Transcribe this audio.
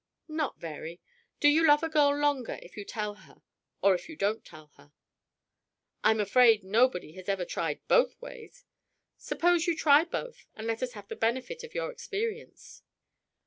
"Not very! Do you love a girl longer if you tell her or if you don't tell her?" "I'm afraid nobody has ever tried both ways! Suppose you try both, and let us have the benefit of your experience."